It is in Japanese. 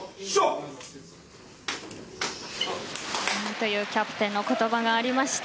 というキャプテンの言葉がありました。